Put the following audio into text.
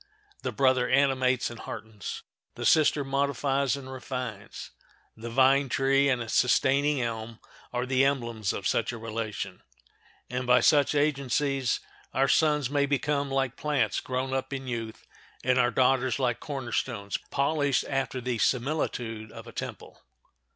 The brother animates and heartens; the sister modifies and refines. The vine tree and its sustaining elm are the emblems of such a relation; and by such agencies our "sons may become like plants grown up in youth, and our daughters like corner stones polished after the similitude of a temple."